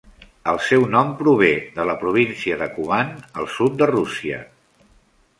El seu nom prové de la província de Kuban, al sud de Rússia.